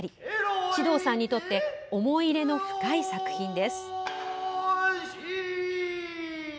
獅童さんにとって思い入れの深い作品です。